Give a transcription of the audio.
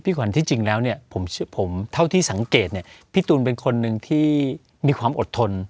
พี่ขวัญที่จริงแล้วผมเท่าที่สังเกตพี่ตูเป็นคนหนึ่งที่มีความอดทน